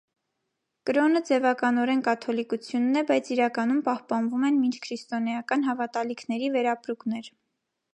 Կրոնը ձևականորեն կաթոլիկությունն է, բայց իրականում պահպանվում են մինչքրիստոնեական հավատալիքների վերապրուկներ։